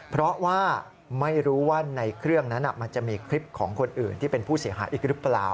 เพราะว่าไม่รู้ว่าในเครื่องนั้นมันจะมีคลิปของคนอื่นที่เป็นผู้เสียหายอีกหรือเปล่า